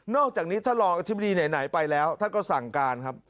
อกจากนี้ท่านรองอธิบดีไหนไปแล้วท่านก็สั่งการครับ